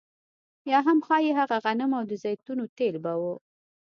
یا هم ښايي هغه غنم او د زیتونو تېل به وو